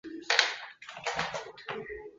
魔宠魔宠专卖店